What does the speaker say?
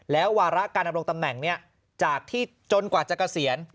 แล้ววาระการดำรงตำแหน่งจากที่จนกว่าจะเกษียณ